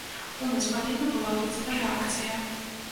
У нас павінна была быць рэакцыя.